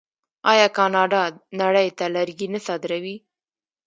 آیا کاناډا نړۍ ته لرګي نه صادروي؟